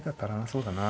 そうだな。